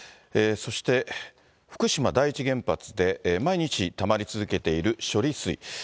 そして福島第一原発で毎日、たまり続けている処理水。